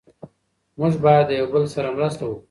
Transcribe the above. موږ باید د یو بل سره مرسته وکړو.